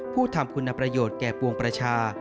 ผู้ทำคุณประโยชน์แก่ปวงประชา